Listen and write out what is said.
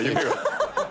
ハハハハ。